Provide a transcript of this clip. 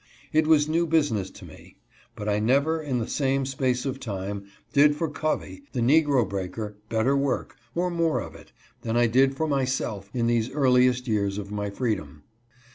It was new business to me, but I never, in the same space of time, did for Covey, the negro breaker, better work, or more of it, than I did for myself in these earliest years of my freedom.